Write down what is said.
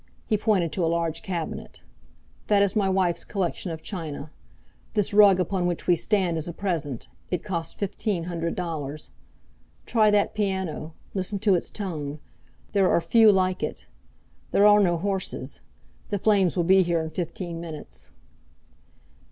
He pointed to a large cabinet. "That is my wife's collection of china. This rug upon which we stand is a present. It cost fifteen hundred dollars. Try that piano. Listen to its tone. There are few like it. There are no horses. The flames will be here in fifteen minutes."